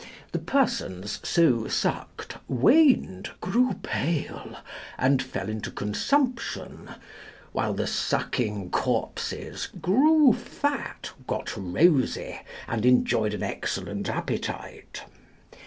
The persons so sucked waned, grew pale, and fell into consumption; while the sucking corpses grew fat, got rosy, and enjoyed an excellent appetite.